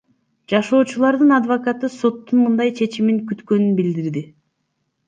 Жашоочулардын адвокаты соттун мындай чечимин күткөнүн билдирди.